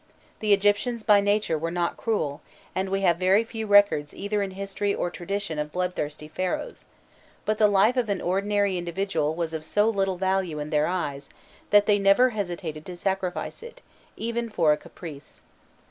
The Egyptians by nature were not cruel, and we have very few records either in history or tradition of bloodthirsty Pharaohs; but the life of an ordinary individual was of so little value in their eyes, that they never hesitated to sacrifice it, even for a caprice.